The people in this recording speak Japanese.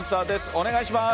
お願いします。